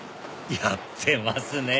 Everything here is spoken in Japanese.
やってますね！